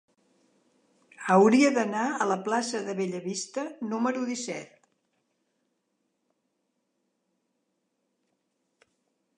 Hauria d'anar a la plaça de Bellavista número disset.